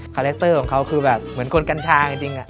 แรคเตอร์ของเขาคือแบบเหมือนคนกัญชาจริง